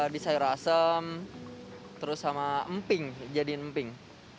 di sayur asem terus sama emping jadiin emping